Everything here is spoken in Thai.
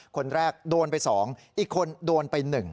คนแรกโดนไป๒อีกคนโดนไป๑